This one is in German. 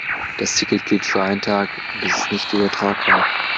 Das Ticket gilt für einen Tag und ist nicht übertragbar.